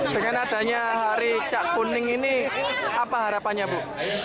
dengan adanya hari cak kuning ini apa harapannya bu